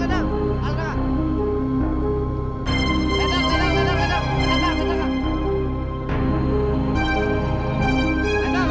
ledang ledang ledang